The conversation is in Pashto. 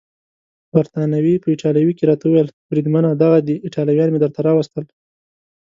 بریتانوي په ایټالوي کې راته وویل: بریدمنه دغه دي ایټالویان مې درته راوستل.